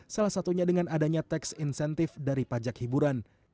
salah satunya dengan adanya tax incentive dari pajak hiburan